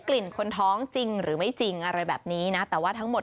กลิ่นคนท้องจริงหรือไม่จริงอะไรแบบนี้นะแต่ว่าทั้งหมด